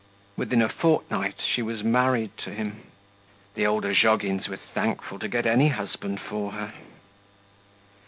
Within a fortnight she was married to him. The old Ozhogins were thankful to get any husband for her.